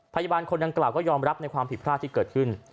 พยาบาลคนดังกล่าวก็ยอมรับในความผิดพลาดที่เกิดขึ้น